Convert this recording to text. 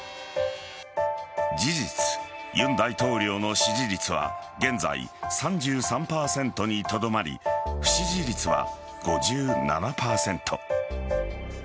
事実、尹大統領の支持率は現在、３３％にとどまり不支持率は５７％。